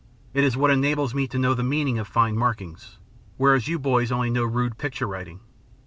It is what enables me to know the meaning of fine markings, whereas you boys know only rude picture writing.